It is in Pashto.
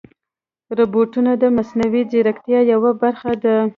روبوټونه د مصنوعي ځیرکتیا یوه برخه ده.